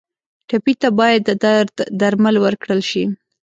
ټپي ته باید د درد درمل ورکړل شي.